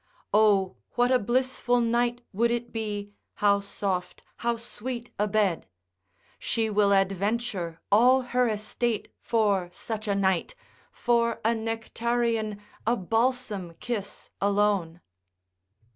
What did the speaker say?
O what a blissful night would it be, how soft, how sweet a bed! She will adventure all her estate for such a night, for a nectarean, a balsam kiss alone.